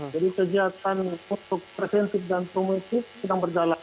jadi kegiatan untuk preventif dan promotif sedang berjalan